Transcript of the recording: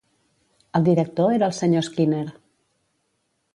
El director era el senyor Skinner.